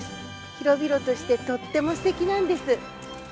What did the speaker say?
◆広々としてとってもすてきなんです。